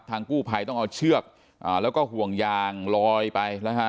กู้ภัยต้องเอาเชือกแล้วก็ห่วงยางลอยไปนะฮะ